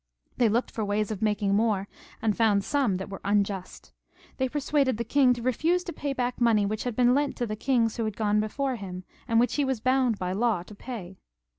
They looked for ways of making more, and fouhd some that were unjust ; they persuaded the king to refuse to pay back money which had been lent to the kings who had gone before him, and which he was bound by law to pay.